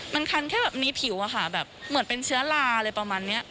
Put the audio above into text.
มันคันแค่แบบมีผิวอะค่ะแบบเหมือนเป็นเชื้อลาอะไรประมาณนี้